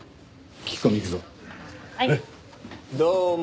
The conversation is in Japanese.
どうも。